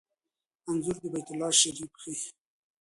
انځور د بیت الله شریف ښيي.